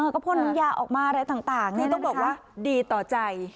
ก็พ่นน้ำยาออกมาอะไรต่างนี่ต้องบอกว่าดีต่อใจ